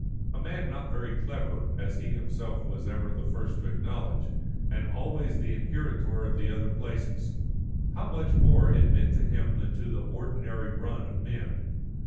A man not very clever, as he himself was ever the first to acknowledge, and always the inheritor of the other places, how much more it meant to him than to the ordinary run of men!